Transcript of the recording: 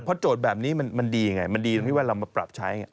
เพราะโจทย์แบบนี้มันดีไงมันดีที่ว่าเรามาปรับใช้